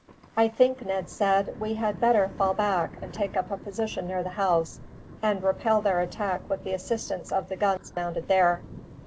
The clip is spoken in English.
"I think," Ned said, "we had better fall back and take up a position near the house, and repel their attack with the assistance of the guns mounted there.